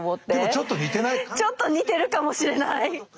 ちょっと似てるかもしれない。